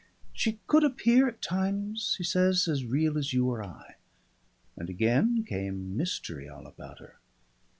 She could appear, at times, he says, as real as you or I, and again came mystery all about her.